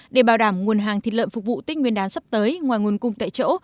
để bảo đảm nguồn hàng thịt lợn phục vụ tích nguyên đán sắp tới ngoài nguồn cung tại chỗ